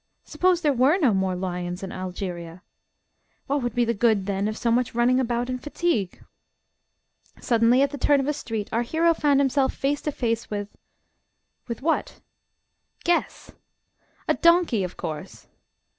Suppose there were no more lions in Algeria? What would be the good then of so much running about and fatigue? Suddenly, at the turn of a street, our hero found himself face to face with with what? Guess! "A donkey, of course!"